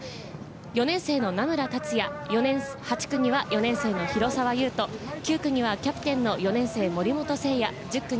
４年生の名村樹哉、８区には４年生の廣澤優斗、９区にはキャプテン４年生・盛本聖也。